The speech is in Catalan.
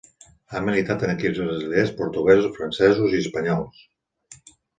Ha militat en equips brasilers, portuguesos, francesos i espanyols.